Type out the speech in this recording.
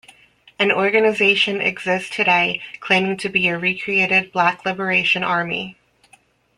An organization exists today claiming to be a recreated Black Liberation Army.